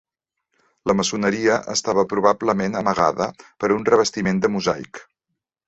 La maçoneria estava probablement amagada per un revestiment de mosaic.